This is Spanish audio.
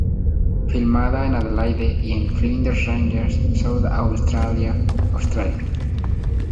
Filmada en Adelaide y en Flinders Ranges, South Australia, Australia.